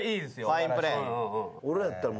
ファインプレー。